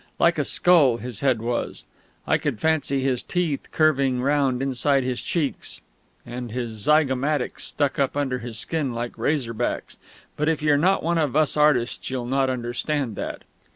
Like a skull, his head was; I could fancy his teeth curving round inside his cheeks; and his zygomatics stuck up under his skin like razorbacks (but if you're not one of us artists you'll not understand that).